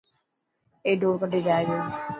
اي ڊوڙ ڪڍي جائي پيو.